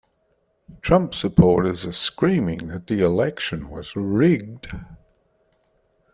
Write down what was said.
Trump supporters are screaming that the election was rigged.